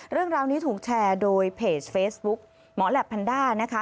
เรื่องราวนี้ถูกแชร์โดยเพจเฟซบุ๊กหมอแหลปแพนด้านะคะ